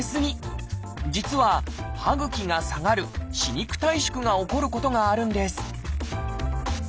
実は歯ぐきが下がる歯肉退縮が起こることがあるんです